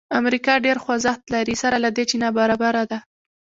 امریکا ډېر خوځښت لري سره له دې چې نابرابره ده.